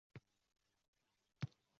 Cheklovlarga barham berish taklif qilinadi.